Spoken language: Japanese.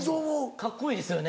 カッコいいですよね